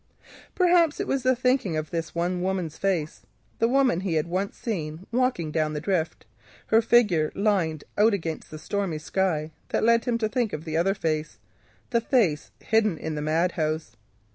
Perhaps it was the thought of this one woman's face, the woman he had once seen walking down the drift, her figure limned out against the stormy sky, that led him to think of the other face, the face hidden in the madhouse.